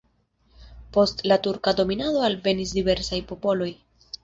Post la turka dominado alvenis diversaj popoloj.